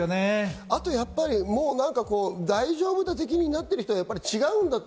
あとやっぱり、もう大丈夫だ的になってる人は違うんだと。